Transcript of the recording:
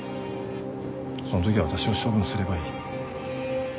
そのときは私を処分すればいい。